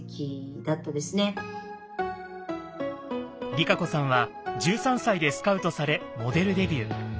ＲＩＫＡＣＯさんは１３歳でスカウトされモデルデビュー。